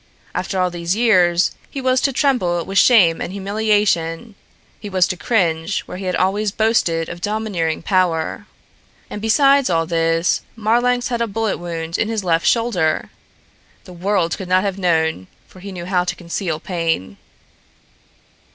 After all these years, he was to tremble with shame and humiliation; he was to cringe where he had always boasted of domineering power. And besides all this, Marlanx had a bullet wound in his left shoulder! The world could not have known, for he knew how to conceal pain.